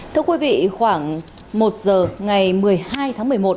thưa quý vị khoảng một giờ ngày một mươi hai tháng một mươi một